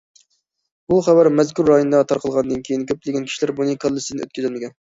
بۇ خەۋەر مەزكۇر رايوندا تارقالغاندىن كېيىن، كۆپلىگەن كىشىلەر بۇنى كاللىسىدىن ئۆتكۈزەلمىگەن.